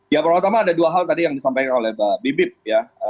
ya pertama ada dua hal tadi yang disampaikan oleh mbak bibip ya